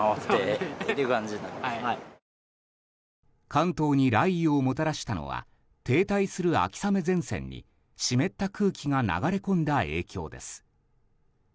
関東に雷雨をもたらしたのは停滞する秋雨前線に湿った空気が流れ込んだ影響です。